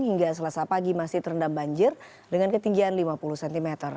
hingga selasa pagi masih terendam banjir dengan ketinggian lima puluh cm